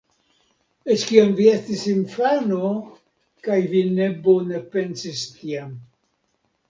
Eĉ kiam vi estis infano, kaj vi ne bone pensis tiam.